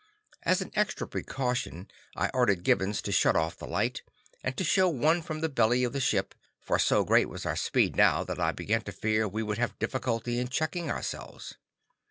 As an extra precaution, I ordered Gibbons to shut off the light, and to show one from the belly of the ship, for so great was our speed now, that I began to fear we would have difficulty in checking ourselves.